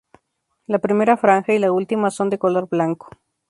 La primera franja y la última son de color blanco.